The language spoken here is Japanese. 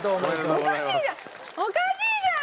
おかしいじゃん。